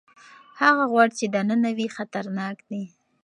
هغه غوړ چې دننه وي خطرناک دي.